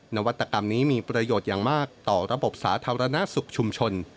นวัตกรรมนี้มีประโยชน์อย่างมากต่อระบบสาธารณสุขชุมชน